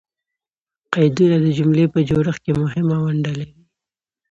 قیدونه د جملې په جوړښت کښي مهمه ونډه لري.